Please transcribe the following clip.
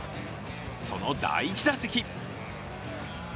その第１打席。